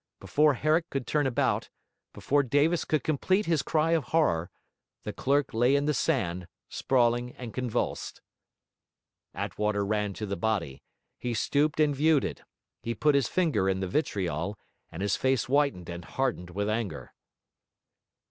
Before Herrick could turn about, before Davis could complete his cry of horror, the clerk lay in the sand, sprawling and convulsed. Attwater ran to the body; he stooped and viewed it; he put his finger in the vitriol, and his face whitened and hardened with anger.